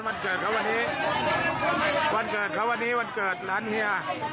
วันเกิดเขาวันนี้วันเกิดเขาวันนี้วันเกิดร้านเฮีย